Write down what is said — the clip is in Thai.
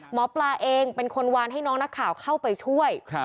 หมอปลาเองเป็นคนวานให้น้องนักข่าวเข้าไปช่วย